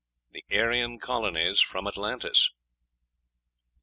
THE ARYAN COLONIES FROM ATLANTIS.